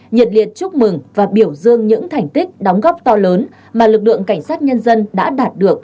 nhiệt liệt chúc mừng và biểu dương những thành tích đóng góp to lớn mà lực lượng cảnh sát nhân dân đã đạt được